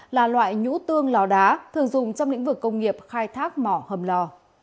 là loại nhũ tương lò đá thường dùng trong lĩnh vực công nghiệp khai thác mỏ hầm lò